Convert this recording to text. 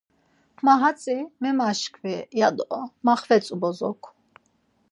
Ma hatzi memaşkvi ya do maxvetzu bozok.